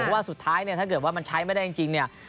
เพราะว่าสุดท้ายเนี่ยถ้าเกิดว่ามันใช้ไม่ได้จริงเนี่ย